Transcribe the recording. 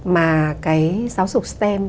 mà cái giáo dục stem thì